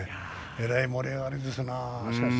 えらい盛り上がりですな。